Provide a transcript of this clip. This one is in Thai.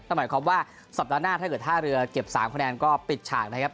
หมายความว่าสัปดาห์หน้าถ้าเก็บ๓คะแนนก็ปิดฉากนะครับ